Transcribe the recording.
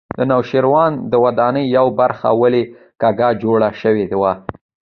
د نوشیروان د ودانۍ یوه برخه ولې کږه جوړه شوې وه.